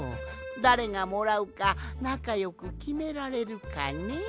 だれがもらうかなかよくきめられるかね？